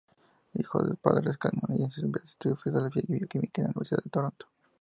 Hijo de padres canadienses, Best estudió fisiología y bioquímica en la Universidad de Toronto.